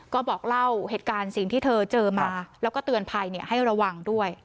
ก็บอกเล่าเหตุการณ์สิ่งที่เธอเจอมาแล้วก็เตือนภัยให้ระวังด้วย